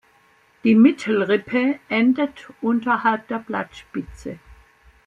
Die Mittelrippe endet unterhalb der Blattspitze.